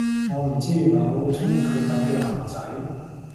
我唔知原來我會鍾意佢噉嘅男仔